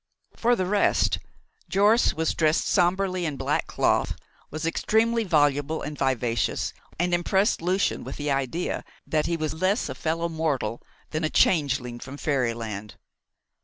For the rest, Jorce was dressed sombrely in black cloth, was extremely voluble and vivacious, and impressed Lucian with the idea that he was less a fellow mortal than a changeling from fairyland.